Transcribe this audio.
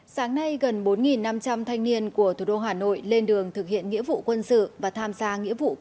sáng nay gần bốn năm trăm linh thanh niên của thủ đô hà nội lên đường thực hiện nghĩa vụ quân sự và tham gia nghĩa vụ công tác